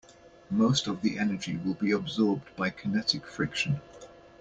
Most of the energy will be absorbed by kinetic friction.